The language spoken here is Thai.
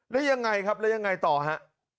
แล้วยังไงครับแล้วยังไงต่อฮะ